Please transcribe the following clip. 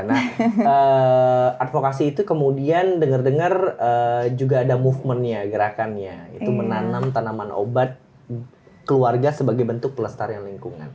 nah advokasi itu kemudian denger dengar juga ada movementnya gerakannya itu menanam tanaman obat keluarga sebagai bentuk pelestarian lingkungan